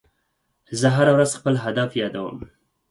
زه هره ورځ خپل هدف یادوم.